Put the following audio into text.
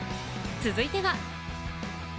続いては。